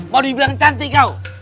mau dibilang cantik kau